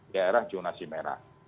daerah jonasi merah